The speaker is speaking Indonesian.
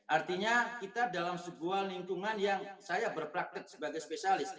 artinya kita dalam sebuah lingkungan yang saya berpraktek sebagai spesialis